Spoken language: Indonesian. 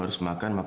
terima kasih pak